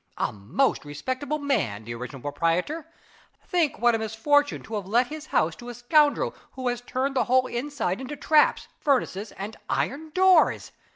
A most respectable man, the original proprietor! Think what a misfortune to have let his house to a scoundrel who has turned the whole inside into traps, furnaces, and iron doors.